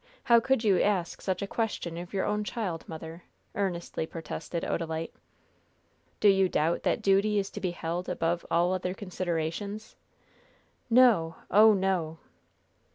How could you ask such a question of your own child, mother?" earnestly protested Odalite. "Do you doubt that duty is to be held above all other considerations?" "No! Oh, no!"